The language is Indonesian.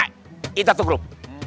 kita tuh grup